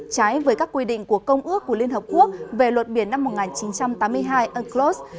trái với các quy định của công ước của liên hợp quốc về luật biển năm một nghìn chín trăm tám mươi hai unclos